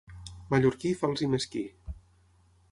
Mallorquí, fals i mesquí.